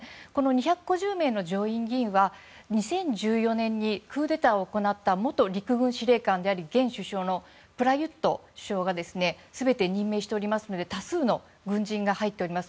２５０名の上院議員は２０１４年にクーデターを行った元陸軍司令官であり現首相であるプラユット首相が全て任命しておりますので多数の軍人が入っております。